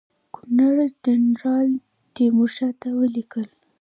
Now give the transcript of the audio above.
ګورنر جنرال تیمورشاه ته ولیکل.